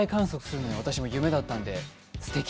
天体観測するのが私も夢だったので、すてき。